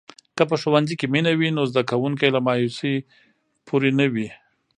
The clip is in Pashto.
که په ښوونځي کې مینه وي، نو زده کوونکي له مایوسۍ پورې نه وي.